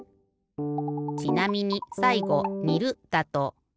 ちなみにさいご「にる」だと。